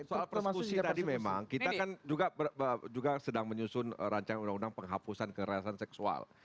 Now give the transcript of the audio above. soal persekusi tadi memang kita kan juga sedang menyusun rancangan undang undang penghapusan kekerasan seksual